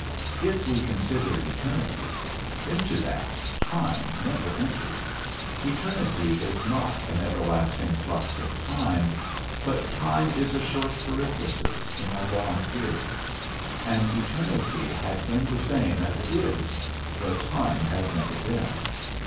If we consider eternity, into that time never entered; eternity is not an everlasting flux of time, but time is a short parenthesis in a long period; and eternity had been the same as it is, though time had never been.